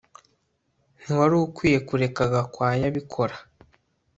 Ntiwari ukwiye kureka Gakwaya abikora